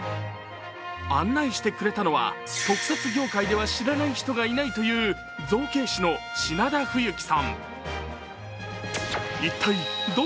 案内してくれたのは特撮業界では知らない人がいないという造形師の品田冬樹さん。